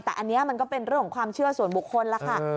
แต่อันนี้มันก็เป็นเรื่องของความเชื่อส่วนบุคคลแล้วค่ะ